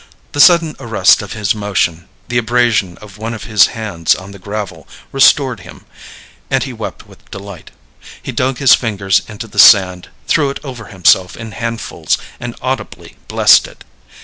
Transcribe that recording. The sudden arrest of his motion, the abrasion of one of his hands on the gravel, restored him, and he wept with delight. He dug his fingers into the sand, threw it over himself in handfuls, and audibly blessed it.